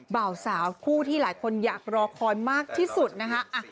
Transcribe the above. บ่าวสาวคู่ที่หลายคนอยากรอคอยมากที่สุดนะคะ